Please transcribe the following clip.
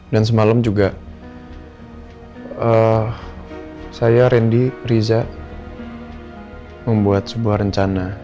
dan semalam juga saya rendy riza membuat sebuah rencana